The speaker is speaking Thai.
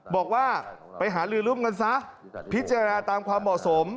บอกว่าไปหาลือร่วมกันซะพิจารณาตามความเหมาะสม